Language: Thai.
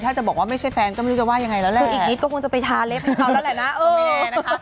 ถ้าจะบอกว่าไม่ใช่แฟนก็ไม่รู้จะว่ายังไงแล้วแหละคืออีกนิดก็คงจะไปทาเล็บให้เขาแล้วแหละนะเออไม่แน่นะคะ